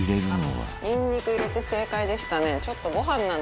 にんにく入れて正解でしたね。